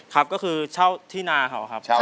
ครับก็คือเช่าที่นาเขาครับ